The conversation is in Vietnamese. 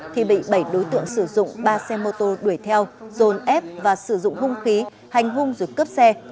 thì bị bảy đối tượng sử dụng ba xe mô tô đuổi theo dồn ép và sử dụng hung khí hành hung dưới cướp xe